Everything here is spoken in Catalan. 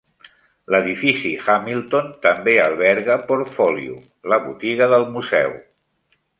L'edifici Hamilton també alberga Portfolio, la botiga del museu.